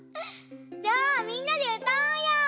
じゃあみんなでうたおうよ！